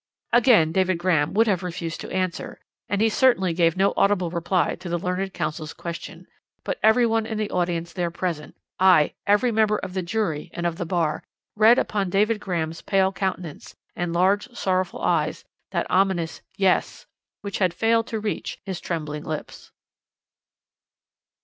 "Again David Graham would have refused to answer, and he certainly gave no audible reply to the learned counsel's question; but every one in the audience there present aye, every member of the jury and of the bar read upon David Graham's pale countenance and large, sorrowful eyes that ominous 'Yes!' which had failed to reach his trembling lips."